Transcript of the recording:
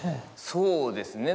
そうですね